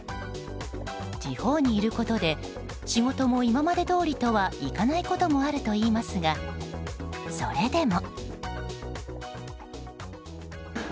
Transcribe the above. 地方にいることで、仕事も今までどおりとはいかないこともあるといいますが、それでも。